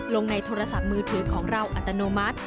ลงในโทรศัพท์มือถือของเราอัตโนมัติ